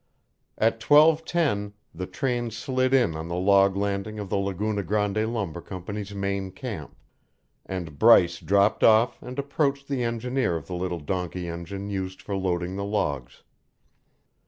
At twelve ten the train slid in on the log landing of the Laguna Grande Lumber Company's main camp, and Bryce dropped off and approached the engineer of the little donkey engine used for loading the logs.